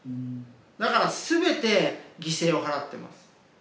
だから全て犠牲を払ってます。